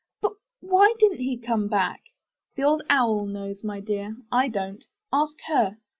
But why didn't he come back?" 'The Old Owl knows, my dear, I don't. Ask her."